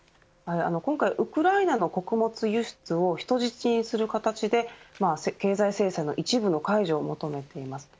ウクライナの穀物輸出を人質にする形で経済制裁の一部の解除を求めています。